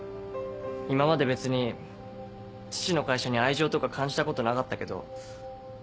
今まで別に父の会社に愛情とか感じたことなかったけど。